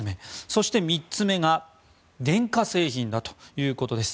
そして３つ目が電化製品だということです。